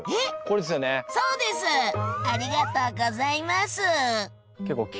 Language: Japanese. ありがとうございます！